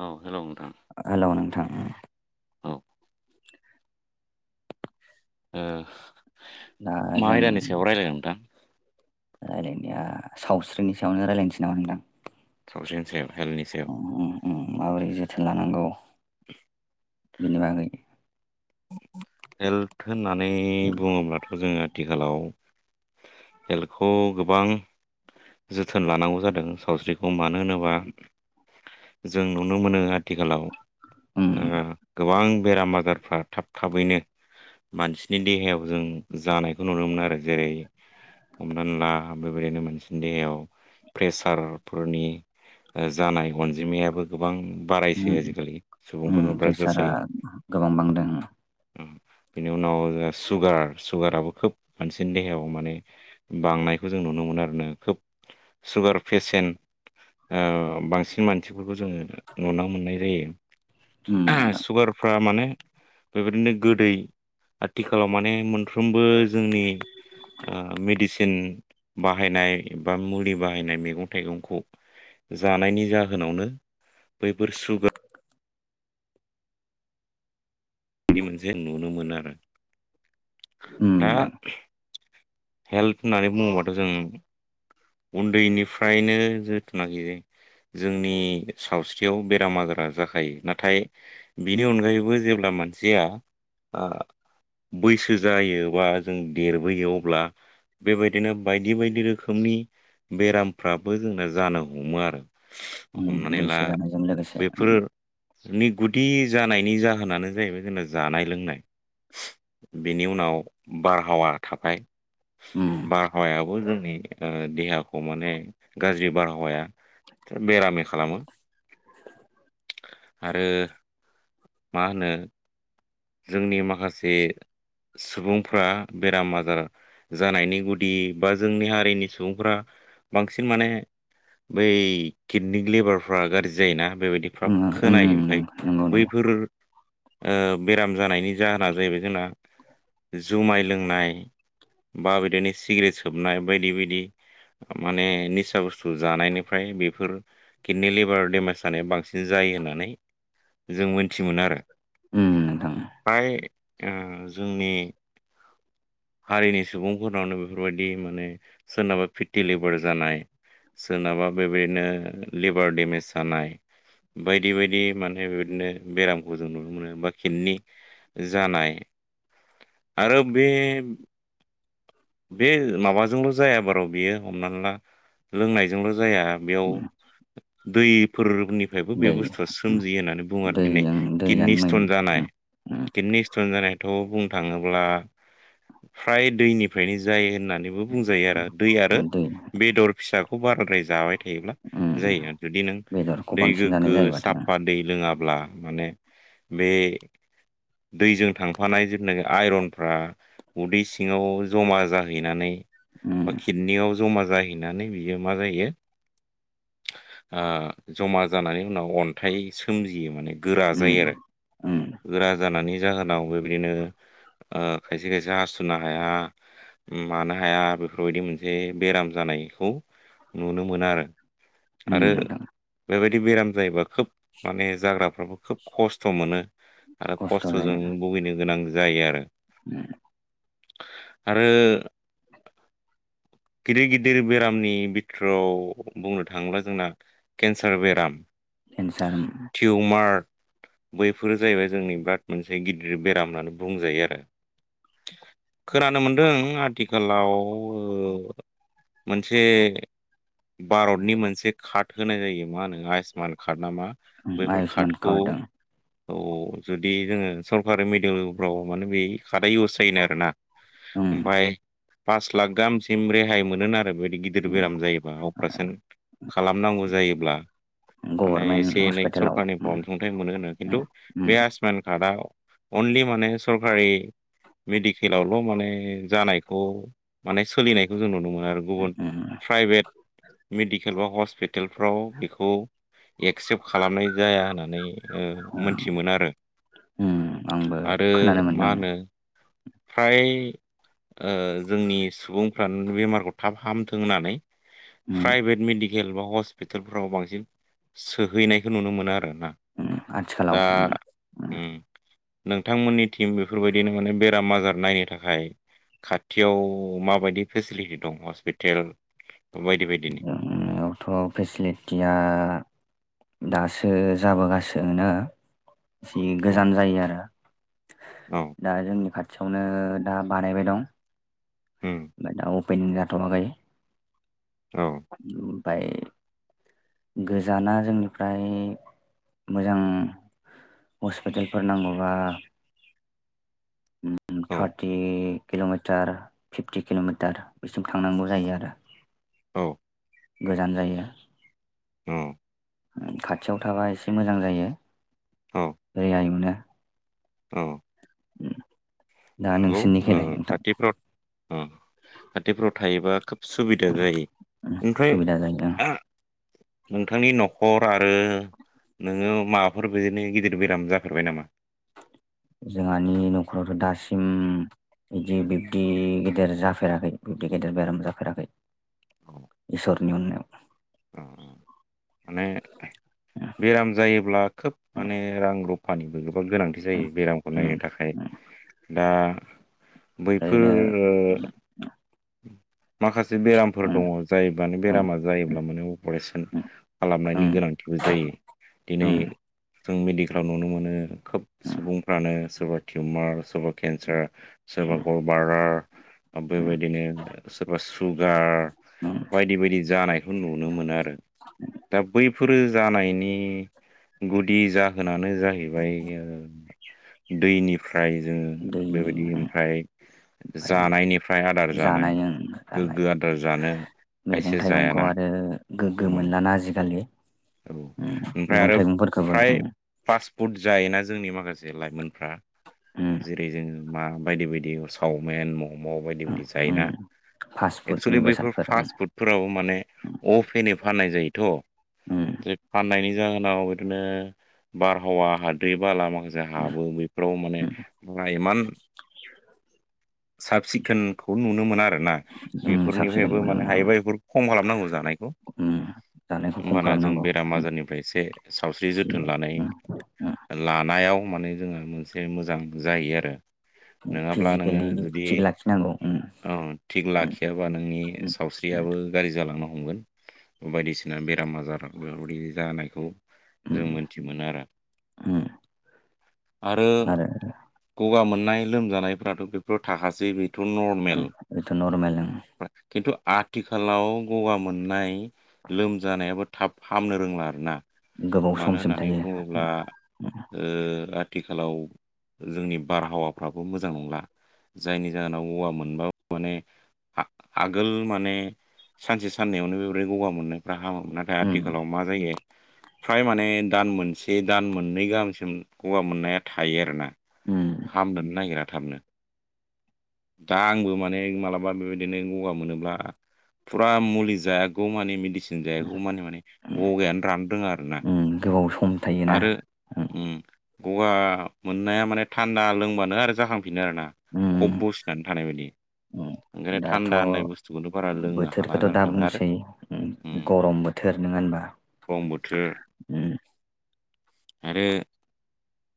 औ हेलौ नोंथां हेलौ नोंथां औ ओ दा ओम मा जों आयदानि सायाव रायलायनो नोंथां रायलायनाया सावस्रिनि सायावनो रायजलायनोसै नामा नोंथां? सावस्रिनि सायाव हेल्थनि सायाव। उम उम माबोरै जोथोन लानांगौ बेनि बागै। हेल्थ होननानै बुङोब्लाथ' जोङो आथिखालाव। हेल्टखौ गोबां। जोथोन लानांगौ जादों सावस्रिखौ मानो होनोबा जों नुनो मोनो आथिखालाव उम ओ नोंथां गोबां बेराम आजारफ्रा थाब थाबैनो मानसिनि देहायाव जों जानायखौ नुनो मोनो आरो जेरै हमनानै ला बेबायदिनो मोनानसिनि देहायाव प्रेसारफोरनि जानाय अनजिमायाबो गोबां बारायसै उम आजिखालि उम सुबुंफोरन बिराद प्रेसारा जासोयो। गोबां बांदों बिनि उनाव जों सुगार सुगाराबो खोब मोनानसिनि देहायाव माने बांनायखौ। जों नुनो मोनो आरोना खोब सुगार प्रेसेट ओ बांसिन मानसिफोरखौ जों नुनो मोननाय जायो उम नोंथां सुगारफ्रा माने बेबायदिनो गोदै आथिखालाव माने मोनफ्रोमबो जोंनि ओ मेडिसिन बाहायनाय बा मुलि बाहायनाय मैगं थाइगंखौ जानायनि जाहोनावनो बैफोर सुगा बिदि मोनसे नुनो मोनो आरो उम दा नोंथां हेल्थ होननानै बुङोबाथ' जों उन्दैनिफ्रायनो जोथोन नागिरो जोंनि सावस्रियाव बेराम आजारा जाखायो नाथाय बिनि अनगायैबो जेब्ला मानसिया ओ बैसो जायो बा जों देरबोयो अब्ला बेबाय दिनो बायदि बायदि रोखोमनि बेरामफ्राबो जोंना जानो हमो आरो उम हमनानै ला बैसो जानायजों लोगोसे बेफोरनि गुदि जानायनि जाहोनानो जाहैबाय जोंना जानाय लोंनाय बेनि उनाव बारहावा थाबाय उम बारहावायाबो जोंनि ओ देहाखौ माने गाज्रि बारहावाया बेरामि खालामो आरो मा होनो जोंनि माखासे सुबुंफ्रा बेराम आजार जानायनि गुदि बा जोंनि हारिनि सुबुंफ्रा बांसिन माने बै किडनिक लेबारफ्रा गाज्रि जायोना बेबायदि उम फाब उम खोनायो ओमफ्राय नंगौ नंगौ नंगौ। बैफोर ओ बेराम जानायनि जाहोना जाहैबाय जोंना जुमाय लोंनाय बा बिदिनो सिग्रेट सोबनाय बायदि बायदि माने निसा बुस्थु जानायनिफ्राय बेफोर किडनि लिभार देमेज जानाया बांसिन जा जायो होननानै जों मोनथि मोनो आरो उम नोंथां फ्राय ओ जोंनि हारिनि सुबुंफोरनावनो बेफोरबायदि माने सोरनाबा फिटि लेबार जानाय सोरनाबा बेबायदिनो लिभार डेमेज जानाय बायदि बायदि माने बेबायदिनो बेरामखौ जों नुनो मोनो बा खितनि जानाय आरो बे बे माबाजोंल' जायाबारो बियो हमना ला लोंनायजोंल' जाया बेयाव उम दैफोर उननिफ्रायबो दै बे बुस्थुआ उम सोमजियो होननानै बुङो दिनै दैजों दैयानो किडनि मेन स्टन जानाय उम किडनिक स्टन जानायाथ' बुंनो थाङोब्ला फ्राय दैनिफ्रायनो जायो होनना नानैबो बुंजायो आरो दै आरो उम दै बेदर फिसाखौ बाराद्राय जाबाय थायोब्ला उम जायो आरो जुदि नों बेदरखौ दै बांसिन जानाय गोग्गो जायोबाथाय साफा दै लोङाब्ला माने बे दैजों थांफानाय जेथुनाखि आइरनफ्रा उदै सिङाव जमा जाहैनानै उम बा किदनियाव जमा जाहैनानै बियो मा जायो आ जमा जानानै उनाव अन्थाइ सोमजियो माने गोरा उम जायो आरो उम गोरा जानानै जाहोनाव बेबायदिनो ओ खायसे खायसे हासुनो हाया मानो हाया बेफोरबायदि मोनसे बेराम जानायखौ नुनो मोनो आरो उम आरो नोंथां बेबाय दि बेराम जायोबा खोब माने जाग्राफ्राबो खोब खस्थ' मोनो आरो खस्थ' जायो खस्थ'जों भुगिनो गोनां जायो आरो उम आरो गिदिर गिदिर बेरामनि बिथोरआव बुंनो थाङोब्ला जोंना केन्सार बेराम केन्सार टिउमार बैफोरो जाहैबाय जोंनि बिराद मोनसे गिदिर बेराम होननानै बुंजायो आरो खोनानो मोनदों आथिखालाव मोनसे भारतनि मोनसे कार्ड होनाय जायो मा होनो आयुष्मान कार्ड नामा बैफोर आयुसमान कार्डखौ कार्ड औ जुदि जोङो सरकारि मिडियेलफ्राव माने बै खादा इउस जायोनो आरोना। उम, ओमफाय पास लाख गाहामसिम रेहाय मोनोनो आरो बे गिदिर उम, बेराम जायोबा अपारेशन खालामनांगौ जायोब्ला माने गभर्नमेन्ट एसे एनै हस्पिटालाव सरखारनिफ्राय उम, अनसुंथाइ मोनो होनो खिन्थु उम, उम, बे आयुस्मान कार्डआ अनलि माने सरकारि मेडिकेलावल' माने जानायखौ माने सोलिनाय खौ जों नुनो मोनो आरो गुबुन उम, प्राइभेट मिडिक खेलबा हस्पिटालफ्राव बेखौ एक्सेप्ट खालामनाय जाया होननानै ओ उम, मोनथिमोनो आरो उम, आंबो आरो खोनानो मा मोनदों होनो फ्राय ओ जोंनि सुबुं फ्रानो बेमारखौ थाब हामथों होननानै उम, प्राइभेट मेडिक केल बा हस्पिटालफ्राव बांसिन सोहैनायखौ नुनो मोनो आरो उम, आथिखालाव दा उम, उम नोंथांमोननिथिम बेफोर बायदिनो माने बेराम आजार नायनो थाखाय खाथियाव माबायदि फेसिलिटि दं हस्पिटेल बायदि बायदिनि जोंनावथ' फेसिलिटिया दासो जाबोगाासो इसि औ गोजान जायो आरो औ दा जोंनि खाथियावनो दा बानायबाय दं। उम ओमफ्राय दा अपेनिं जाथ'वाखै औ ओमफाय गोजाना जोंनिफ्राय मोजां हस्पिटालफोर नांगौबा उम औ थार्टि किल'मिटार फिफ्टि किल'मिटार बेसिम थांनांगौ जायो आरो औ गोजान जायो। उम खाथियाव थाबा एसे मोजां जायो औ रैयाय मोनो औ दा नंगौ ओ नोंसिनिखैलाय नोंथां खाथिफ्राव उम खाथिफ्राव थायोबा खोब सुबिदा जायो ओमफ्राय सुबिदा जायो नोंथांनि न'खर आरो नोङो माबाफोर बिदिनो गिदिर बेराम जाफेरबाय नामा? जोंहानि न'खरावथ' दासिम बिदि बिब्दि गेदेर जाफेराखै बिब्दि गेदेर बेराम जाफेराखै। इसरनि अननायाव माने बेराम जायोब्ला खोब माने रां रुफानिबो गो बहुद गोनांथि जायो बेरामखौ उम नायनो थाखाय उम दा बैफोर ओरैनो ओ माखासे बेरामफोर उम दङ' जायोबानो उम बेरामा जायोब्ला माने अपारेसन खालामनायनि उम गोनांथिबो जायो। दिनै उम जों मेडिकेलाव नुनो मोनो खोब उम सुबुंफ्रानो सोरबा टिउमार सोरबा केन्सार सोरबा उम गल बालडार ओ बेबायदि बिदिनो सोरबा सुगार उम बायदि बायदि जानायखौ नुनो मोनो आरो। दा बैफोरो जानायनि गुदि जाहोन नानो जाहैबाय दैनिफ्राय जोङो दैनि बेबायदि उम ओमफ्राय ओमफ्राय जानायनिफ्राय आदार जानाय ओं जानाय गोग्गो आदार जानो मैगं खायसे थाइगंखौ जायाना आरो गोग्गो औ मोनलाना आजिखालि औ। उम ओमफ्राय मैगं आरो थाइगंफोरखौबो फ्राय उम पास फुट जायोना जोंनि माखासे लाइमोनफ्रा उम जेरै जोङो मा बायदि बायदि सावमिन मम' बायदि उम बायदि उम जायोना फास्ट फुडनि एक्सुलि बैफोर बेसादफोर उम फास्ट फुडफोराव माने अफेनै फाननाय जायोथ' उम फाननायनि जाहोनाव बिदिनो बारहावा हाद्रि बाला मा हाबो बेफोराव माने इमान [inaudible] साब सिखोनखौ नुनो मोना आरोना उम उम साब सिखोन बेफोरनिफ्रायबो नुनो मोना माने हायोबा बेफोर खम खालामनांगौ जानायखौ उम जानायखौ खम होमबाना खालाम जों बेराम आजारनिफ्राय एसे सावस्रि जोथोन लानाय उम उम लानायाव खालामनानै जोङो मोनसे मोजां जायो आरो नोङाब्ला नोङो फिजिकेलि जुदि थिग लाखिनांगौ उम औ थिग लाखियाबा नोंनि उम उम सावस्रियाबो गाज्रि जालांनो हमो बायदिसिना बेरामा बेफोरदि जानायखौ जों उम मोन्थि मोनो आरो उम आरो गगा मोन नाय लोमजानायफ्राथ' बेफोराव थाखासै बेथ' उम नरमेल बेथ' नरमेल उम खिन्थु आथिखालाव गगा मोननाय लोमजानायाबो थाब हामनो रोंला आरोना गोबाव मानो समसिम होननानै थायो बुङोब्ला ओ आथिखालाव जोंनि बारहावाफ्राबो मोजां नंला जायनि जाहोनाव गगा मोनबाबो माने आगोल माने सानसे साननैावनो बेबायदि गगा मोननायफ्रा हामोमोन‌ आरो उम आथिखालाव मा जायो फ्राय माने दान मोनसे दान मोननै गाहामसिम गगा मोननाया थायो आरोना उम हामनोनो नागिरा थाबनो दा आंबो माने मालाबा बेबायदिनो गगा मोनोब्ला फुरा मुलि जायागौ मानि मेडिसिन जायागौ मानि माने गगायानो राननो रोङा आरो ना उम गोबाव सम थायोना आरो उम गगा मोननाया माने थान्दा लोंबानो आरो जाखांफिनो आरोना खब उम बुस्थु दान थानाय बायदि उम ओंखायनो थान्दा होननाय दाथ' बुस्थुखौथ' बारा लोंनो हाला बोथोरखौथ' जाना दा थाबाय आरो उम नंगौ होनबा औ बोथोर उम आरो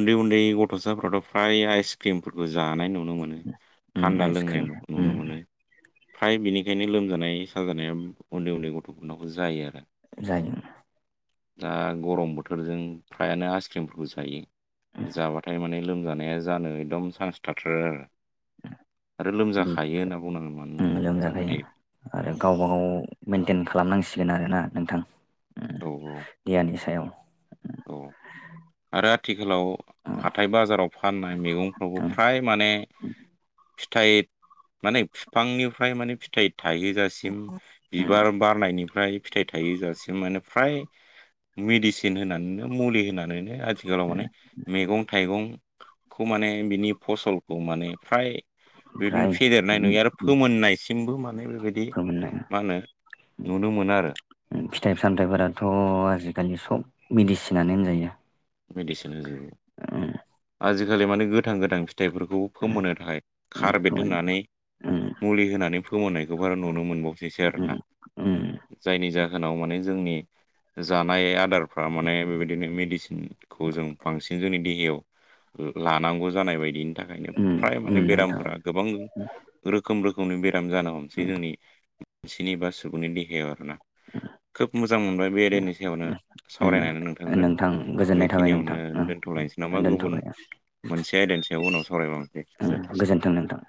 उन्दै उन्दै गथ'साफोरावथ' फ्राय आइस क्रिमफोरखौ जानाय नुनो मोनो उम थान्दा लोंनाय आइसक्रिम नुनो उम मोनो फ्राय बेनिखायनो लोमजानाय साजानाया उन्दै उन्दै गथ'फोरनावबो जायो आरो जायो ना दा गरम बोथोरजों फ्रायानो आइसक्रिमफोरखौ जायो जाबाथाय माने लोमजानाया जानो एकदम चान्स थाथारो आरो आरो बे लोमजाखायो होनना बुंनांगोन मानो होनोबा जाबाय लोमजाखायो थायो आरो गावबा गाव मेेनटेन खालामनांसिगोन आरो ना नोंथां ओ औ देहानि सायाव औ आरो आथिखालाव उम हाथाय बाजाराव फाननाय मैगंफ्रफोरखौबो उम फ्राय माने फिथाइ माने बिफांनिफ्राय माने फिथाइ थाइहोजासिम उम बिबार बारनायनि फ्राय फिथाइ थायहोजासिम माने फ्राय मेडिसिन होनानै मुलि होनानैनो आथिखालाव माने मैगं थाइगं खौ माने बिनि फसलखौ माने फ्राय बिदिनो ओमफ्राय फेदेरनाय नुयो आरो फोमोननायसिमबो माने बेबायदि फोरमोननाय मा होनो नुनो मोनो आरो फिथाइ सामथायफोराथ' जि दानि औ सब मेडिसिनानो होनजायो मेडिसिन होजोबो उम आजिखालि माने गोथां गोथां फिथाइफोरखौ फोमोननो थाखाय कारबेट उम होननानै उम मुलि होनानै फोमोननायखौ बारा नुनो मोनबावसैसो आरोना उम जायनि जा होनाव माने जोंनि जानाय आदारफ्रा माने बेबायदिनो मेडिसिन खौ जों बांसिन जोंनि देहायाव लानांगौ जानाय बायदि थाखायनो उम उम फ्राय उम माने नोंथां बेरामफोरा गोबां रोखोम रोखोमनि बे राम जानो हमसै जोंनि मानसिनि बा सुबुंनि देहायाव आरोना खोब मोजां मोनबाय बे आयदनि सायावनो उम सावरायनानै नोंथांजों नोंथां गोजोननाय थाबाय बेखिनियावनो नोंथां उम दोन्थ'लायनोसै नामा गुबुन दोनथ'बाय मोनसे आयदानि सायाव उनाव सावराय बावनोसै उम गोजोन्थों गोजोन्थों नोंथां